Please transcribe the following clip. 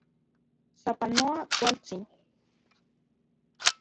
¡Sapanoa kualtsin!